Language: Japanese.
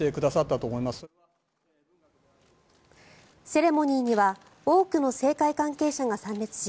セレモニーには多くの政界関係者が参列し